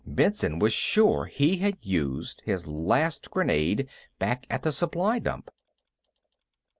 Benson was sure he had used his last grenade back at the supply dump.